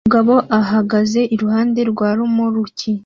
Umugabo ahagaze iruhande rwa romoruki